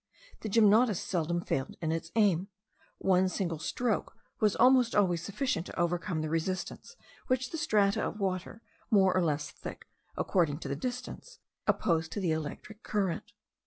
The gymnotus seldom failed in its aim; one single stroke was almost always sufficient to overcome the resistance which the strata of water, more or less thick according to the distance, opposed to the electrical current.